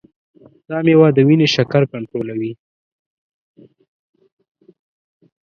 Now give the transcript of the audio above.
دا مېوه د وینې شکر کنټرولوي.